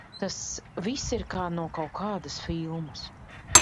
Tas viss ir kā no kaut kādas filmas.